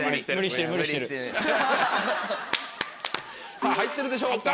さぁ入ってるでしょうか？